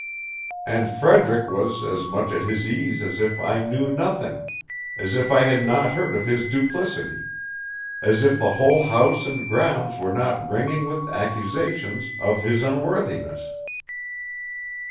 And Frederick was as much at his ease as if I knew nothing, as if I had not heard of his duplicity, as if the whole house and grounds were not ringing with accusations of his unworthiness.